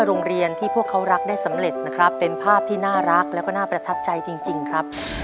โรงเรียนที่พวกเขารักได้สำเร็จนะครับเป็นภาพที่น่ารักแล้วก็น่าประทับใจจริงครับ